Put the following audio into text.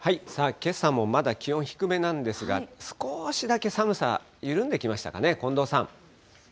けさもまだ気温低めなんですが、すこーしだけ寒さ、緩んできましたかね、近藤さん。